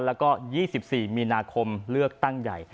แล้วก็๒๔มีนาคมเลือกตั้งใหญ่